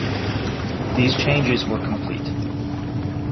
These changes were complete.